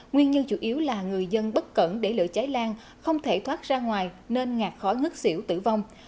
nguyên nhân chủ yếu là người dân bất cẩn để lửa cháy lan không thể thoát ra ngoài nên ngạt khói ngất xỉu tử vong